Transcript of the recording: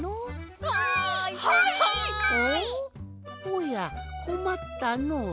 おやこまったのう。